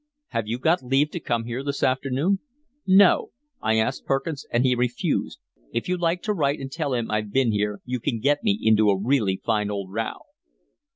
"Have you got leave to come here this afternoon?" "No. I asked Perkins and he refused. If you like to write and tell him I've been here you can get me into a really fine old row."